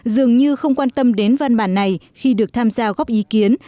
dường như không quan tâm đến văn bản này khi được tham gia góp ý kiến